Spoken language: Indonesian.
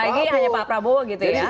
lagi hanya pak prabowo gitu ya